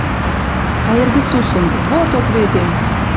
А эргӹ сусун: «Вот ответем!»